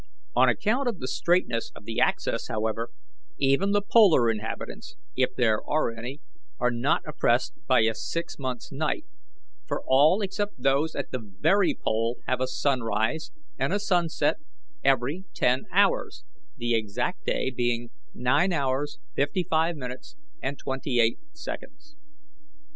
On account of the straightness of the axis, however, even the polar inhabitants if there are any are not oppressed by a six months' night, for all except those at the VERY pole have a sunrise and a sunset every ten hours the exact day being nine hours, fifty five minutes, and twenty eight seconds.